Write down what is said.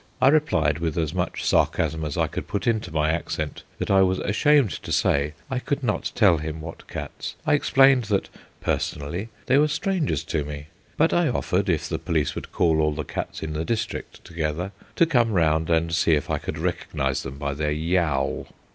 I replied with as much sarcasm as I could put into my accent that I was ashamed to say I could not tell him what cats. I explained that, personally, they were strangers to me; but I offered, if the police would call all the cats in the district together, to come round and see if I could recognise them by their yaul.